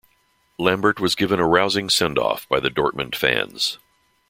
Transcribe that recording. Lambert was given a rousing send off by the Dortmund fans.